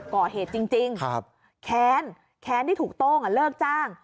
ก่อเหตุจริงจริงครับแค้นแค้นที่ถูกโต้งอ่ะเลิกจ้าง